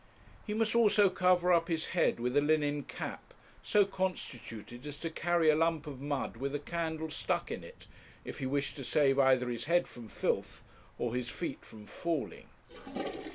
He must also cover up his head with a linen cap, so constituted as to carry a lump of mud with a candle stuck in it, if he wished to save either his head from filth or his feet from falling.